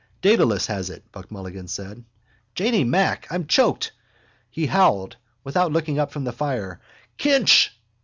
—Dedalus has it, Buck Mulligan said. Janey Mack, I'm choked! He howled, without looking up from the fire: —Kinch!